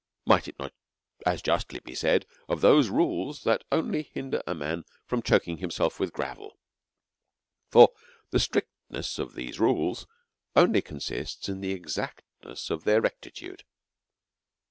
Might it not as justly be said of those rules that only hindered a man from choaking himself with gravel ? For the strictness of these rules only consists in the exactness of their rectitude.